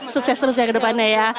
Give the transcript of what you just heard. sukses terus ya ke depannya ya